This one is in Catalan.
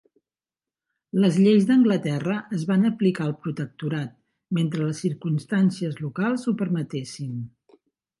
Les lleis d'Anglaterra es van aplicar al protectorat, mentre les circumstàncies locals ho permetessin.